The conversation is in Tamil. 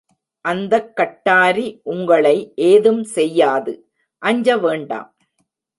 அந்தக் கட்டாரி உங்களை ஏதும் செய்யாது.அஞ்ச வேண்டாம்!